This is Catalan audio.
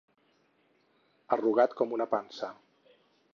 Arrugat com una pansa.